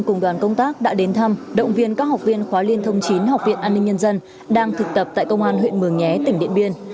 trong dịp này bộ trưởng tô lâm đã đến thăm động viên các học viên khóa liên thông chín học viện an ninh nhân dân đang thực tập tại công an huyện mường nhé tỉnh điện biên